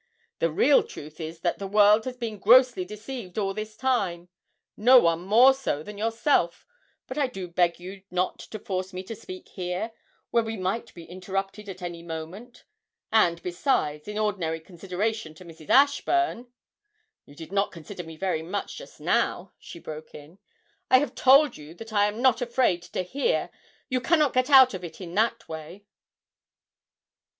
'The real truth is that the world has been grossly deceived all this time no one more so than yourself; but I do beg you not to force me to speak here, where we might be interrupted at any moment, and besides, in ordinary consideration to Mrs. Ashburn ' 'You did not consider me very much just now,' she broke in. 'I have told you that I am not afraid to hear you cannot get out of it in that way!'